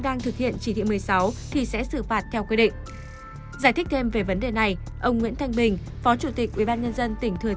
hãy đăng ký kênh để nhận thông tin nhất